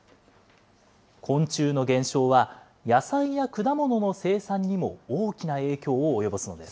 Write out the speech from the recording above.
昆虫の減少は、野菜や果物の生産にも大きな影響を及ぼすのです。